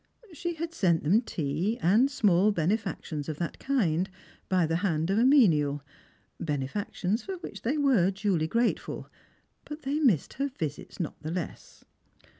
She had sent them ^a, and small benefactions of that kind, by the hand of a menial, — benefactions for which they were duly grateful, — but they missed her visits not the less.